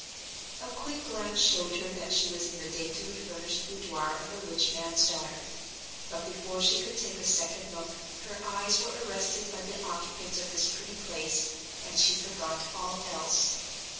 A quick glance showed her that she was in the daintily furnished boudoir of a rich man's daughter, but before she could take a second look her eyes were arrested by the occupant of this pretty place, and she forgot all else.